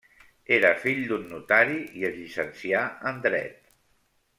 Era fill d'un notari i es llicencià en dret.